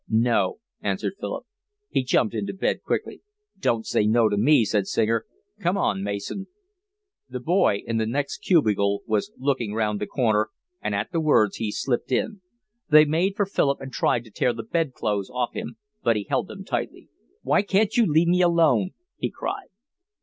"No," answered Philip. He jumped into bed quickly. "Don't say no to me," said Singer. "Come on, Mason." The boy in the next cubicle was looking round the corner, and at the words he slipped in. They made for Philip and tried to tear the bed clothes off him, but he held them tightly. "Why can't you leave me alone?" he cried.